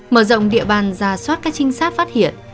mở rộng địa bàn ra soát các trinh sát phát hiện